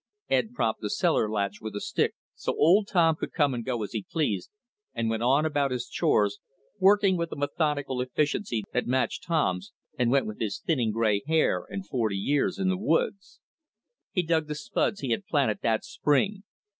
Ed propped the cellar hatch with a stick so old Tom could come and go as he pleased, and went on about his chores, working with a methodical efficiency that matched Tom's and went with his thinning gray hair and forty years in the woods. He dug the spuds he had planted that spring.